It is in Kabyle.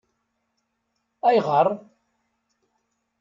AyƔeṛ?